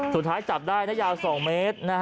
สุดท้ายจับได้นะยาว๒เมตร